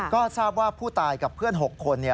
ก็ทราบว่าผู้ตายกับเพื่อน๖คน